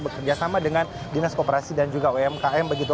bekerja sama dengan dinas koperasi dan juga umkm begitu